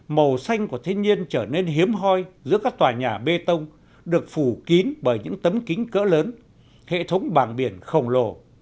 màu xanh của thiên nhiên trở nên hiếm hoi giữa các tòa nhà bê tông được phủ kín bởi những tấm kính cỡ lớn hệ thống bảng biển khổng lồ